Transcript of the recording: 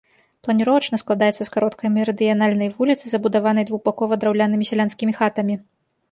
Планіровачна складаецца з кароткай мерыдыянальнай вуліцы, забудаванай двухбакова драўлянымі сялянскімі хатамі.